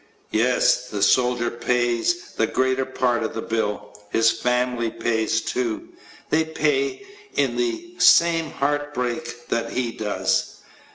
Yes, the soldier pays the greater part of the bill. His family pays too. They pay it in the same heart break that he does.